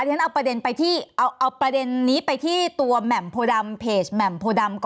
ดังนั้นเอาประเด็นนี้ไปที่ตัวแหม่มโพดัม